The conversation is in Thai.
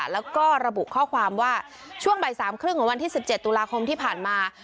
แล้วก็ระบุข้อความว่าช่วงบ่าย๓๓๐ของวันที่๑๗ตุลาคมที่ผ่านมา